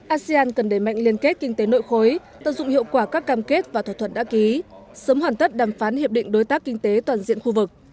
asean cần đẩy mạnh liên kết kinh tế nội khối tận dụng hiệu quả các cam kết và thỏa thuận đã ký sớm hoàn tất đàm phán hiệp định đối tác kinh tế toàn diện khu vực